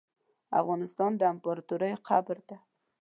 افغانستان د امپراتوریو قبر ده .